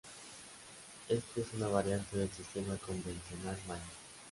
Este es una variante del sistema convencional maya.